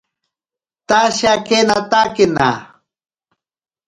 Tashakenatakena.